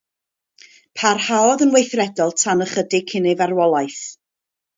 Parhaodd yn weithredol tan ychydig cyn ei farwolaeth.